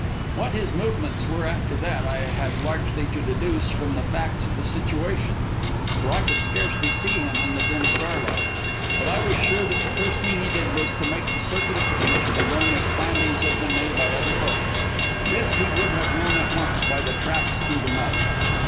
What his movements were after that I had largely to deduce from the facts of the situation, for I could scarcely see him in the dim starlight. But I was sure that the first thing he did was to make the circuit of the beach to learn if landings had been made by other boats. This he would have known at once by the tracks through the mud.